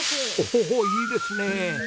おおいいですね！